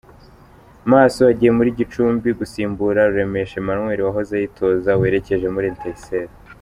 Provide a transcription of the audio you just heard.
Maso agiye muri Gicumbi gusimbura Ruremesha Emmanuel wahoze ayitoza werekeje muri Etincelles.